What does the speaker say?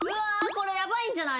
これヤバいんじゃない？